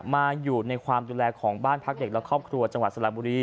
มาอยู่ในความดูแลของบ้านพักเด็กและครอบครัวจังหวัดสระบุรี